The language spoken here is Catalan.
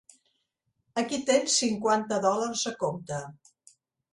Aquí tens cinquanta dòlars a compte.